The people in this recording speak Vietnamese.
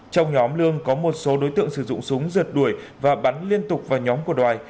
trong nhóm lương có một số đối tượng sử dụng súng rượt đuổi và bắn liên tục vào nhóm của đoài